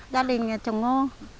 gia đình trồng ngô